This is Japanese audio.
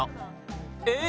えっ！